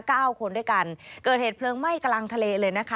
เก้าคนด้วยกันเกิดเหตุเพลิงไหม้กลางทะเลเลยนะคะ